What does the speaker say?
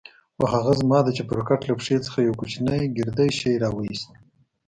خو هغه زما د چپرکټ له پښې څخه يو کوچنى ګردى شى راوايست.